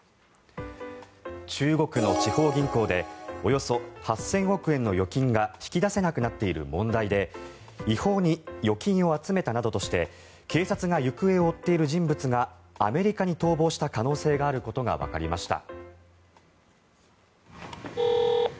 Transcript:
中国の地方銀行でおよそ８０００億円の預金が引き出せなくなっている問題で違法に預金を集めたなどとして警察が行方を追っている人物がアメリカに逃亡した可能性があることがわかりました。